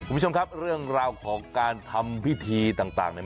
คุณผู้ชมครับเรื่องราวของการทำพิธีต่างเนี่ย